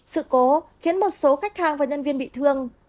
sự cố khiến một số khách hàng và nhân viên bị thương